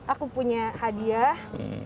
aku punya hadiah